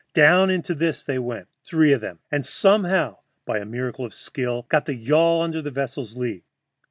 Down into this they went, three of them, and somehow, by a miracle of skill, got the yawl under the vessel's lea.